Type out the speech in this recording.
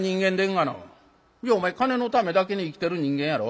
「お前金のためだけに生きてる人間やろ？」。